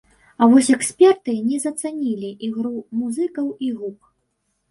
А вось эксперты не зацанілі ігру музыкаў і гук.